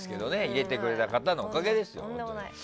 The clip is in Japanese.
入れてくれた方のおかげですよ。